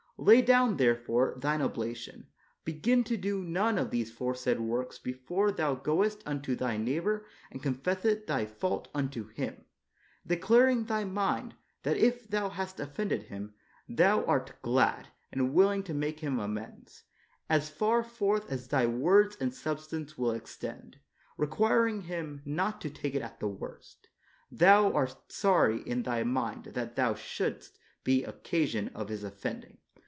Lay down, therefore, thine obla tion; begin to do none of these foresaid works before thou goest unto thy neighbor and con f esseth thy fault unto him ; declaring thy mind, that if thou hast offended him, thou art glad and willing to make him amends, as far forth as thy words and substance will extend, requiring him not to take it at the worst ; thou art sorry in thy mind that thou shouldst be occasion of his offending.